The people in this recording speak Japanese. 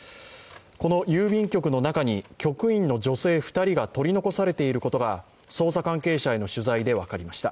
この郵便局の中に局員の女性２人が取り残されていることが捜査関係者への取材で分かりました。